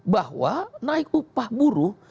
bahwa naik upah buruh